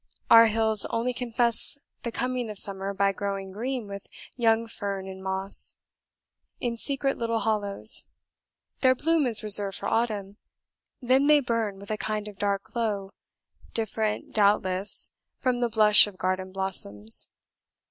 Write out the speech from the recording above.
Our hills only confess the coming of summer by growing green with young fern and moss, in secret little hollows. Their bloom is reserved for autumn; then they burn with a kind of dark glow, different, doubtless, from the blush of garden blossoms.